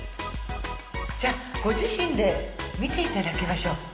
じゃあご自身で見ていただきましょう。